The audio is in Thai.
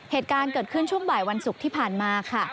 เหตุการณ์เกิดขึ้นช่วงบ่ายวันศุกร์ที่ผ่านมาค่ะ